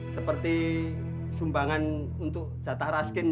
seperti sumbangan untuk jatah raskin yang diberikan